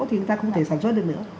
thì người ta không thể sản xuất được nữa